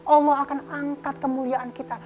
allah akan angkat kemuliaan kita